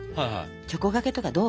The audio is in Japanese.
チョコがけとかどう？